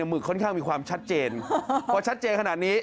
หึกค่อนข้างมีความชัดเจนพอชัดเจนขนาดนี้